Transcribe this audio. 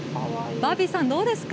バービーさん、どうですか？